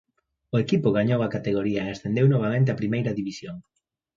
O equipo gañou a categoría e ascendeu novamente a Primeira División.